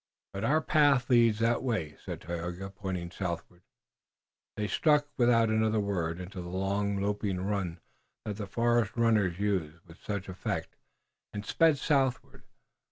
"But our path leads that way," said Tayoga, pointing southward. They struck, without another word, into the long, loping run that the forest runners use with such effect, and sped southward.